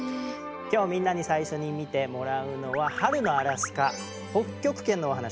今日みんなに最初に見てもらうのは春のアラスカ北極圏のお話です。